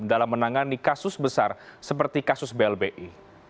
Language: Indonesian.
dalam menangani kasus besar seperti kasus blbi